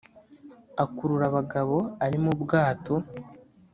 akurura abagabo ari mu bwato